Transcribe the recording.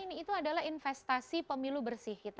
ini itu adalah investasi pemilu bersih kita